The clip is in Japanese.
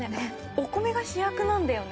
お米が主役なんだよね・